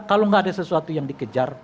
kalau nggak ada sesuatu yang dikejar